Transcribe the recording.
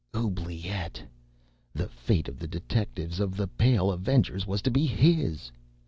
Oubliette! The fate of the detectives of "The Pale Avengers" was to be his!